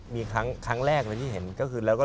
แหล่งที่เห็นก็คือ